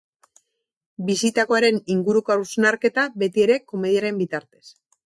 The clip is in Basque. Bizitakoaren inguruko hausnarketa, beti ere komediaren bitartez.